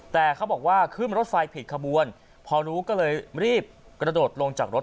แต่เขาบอกว่าขึ้นรถไฟผิดขบวนพอรู้ก็เลยรีบกระโดดลงจากรถ